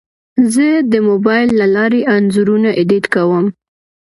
زه د موبایل له لارې انځورونه ایډیټ کوم.